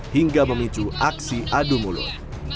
hingga memicu aksi adu mulut